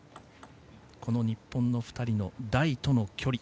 この日本の２人の台との距離